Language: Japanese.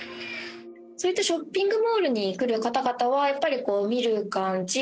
ショッピングモールに来る方々はやっぱり見る感じ